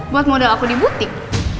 buat modal aku di butik